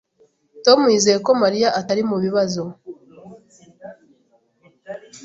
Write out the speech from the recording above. Tom yizeye ko Mariya atari mu bibazo.